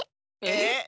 えっ？